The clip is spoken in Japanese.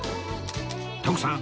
徳さん